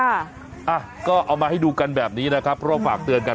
อ่ะก็เอามาให้ดูกันแบบนี้นะครับเพราะว่าฝากเตือนกัน